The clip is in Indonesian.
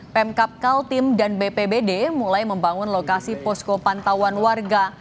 pemkap kaltim dan bpbd mulai membangun lokasi posko pantauan warga